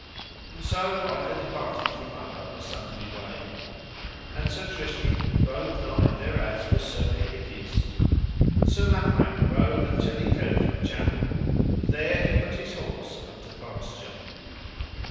And so either departed from other a sundry way, and Sir Tristram rode nigh thereas was Sir Kehydius; and Sir Lamorak rode until he came to a chapel, and there he put his horse unto pasture.